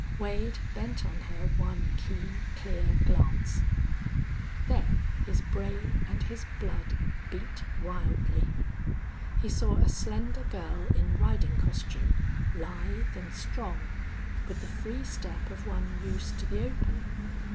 Wade bent on her one keen, clear glance. Then his brain and his blood beat wildly. He saw a slender girl in riding costume, lithe and strong, with the free step of one used to the open.